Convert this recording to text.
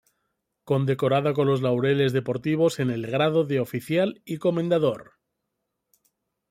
Condecorada con los Laureles deportivos en el grado de Oficial y Comendador.